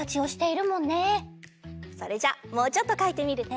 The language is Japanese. それじゃもうちょっとかいてみるね。